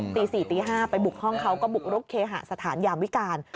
ตี๔ตี๕ไปบุกห้องเขาก็บุกรุกเคหสถานยามวิการ